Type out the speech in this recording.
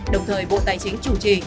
đồng thời bộ tài chính chủ trì